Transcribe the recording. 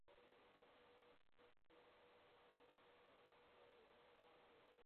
Con su colega Miguel Martel publicó las "Homilías" de Jerónimo Bautista Lanuza.